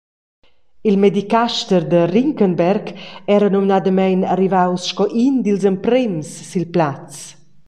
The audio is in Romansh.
Il medicaster da Ringgenberg era numnadamein arrivaus sco in dils emprems sil plaz.